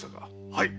はい。